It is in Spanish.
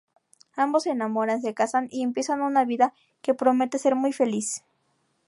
Ambos se enamoran, se casan y empiezan una vida que promete ser muy feliz.